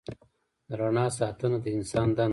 د رڼا ساتنه د انسان دنده ده.